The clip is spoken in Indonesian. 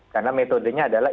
karena metodenya adalah